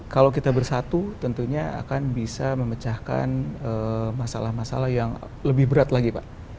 kalau kita bersatu tentunya akan bisa memecahkan masalah masalah yang lebih berat lagi pak